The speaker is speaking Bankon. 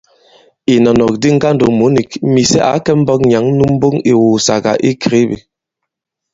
Ìwûmsɛ̀ di ŋgandòmbu nik, Mìsɛ ǎ kɛ̀ imbɔ̄k nyǎŋ nu mboŋ ì ìwùùsàgà i Kribi.